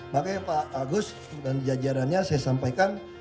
makanya pak agus dan jajarannya saya sampaikan